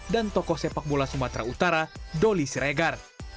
dan tokoh sepak bola sumatera utara doli siregar